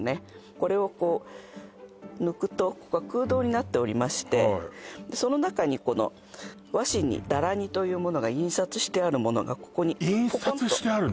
これをこう抜くとここが空洞になっておりましてはいその中にこの和紙に陀羅尼というものが印刷してあるものが印刷してあるの？